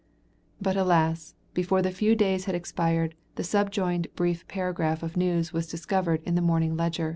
But alas, before the few days had expired the subjoined brief paragraph of news was discovered in the morning Ledger.